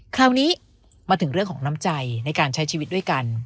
คราวนี้มาถึงเรื่องของน้ำใจในการใช้ชีวิตด้วยกัน